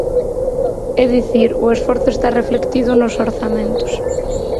É dicir, o esforzo está reflectido nos orzamentos.